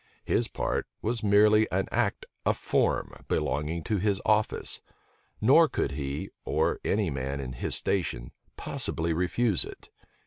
His part was merely an act of form belonging to his office; nor could he, or any man in his station, possibly refuse it.